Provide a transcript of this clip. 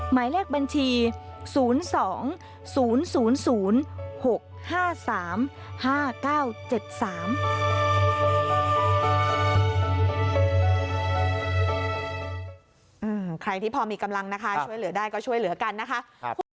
หมายแรกบัญชี๐๒๐๐๐๖๕๓๕๙๗๓